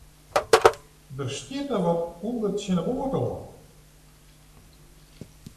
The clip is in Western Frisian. Der stjitte wat ûnder tsjin de boat oan.